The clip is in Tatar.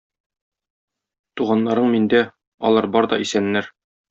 Туганнарың миндә, алар бар да исәннәр.